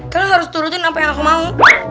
kamu harus turutin apa yang aku mau